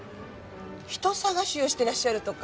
人捜しをしてらっしゃるとか。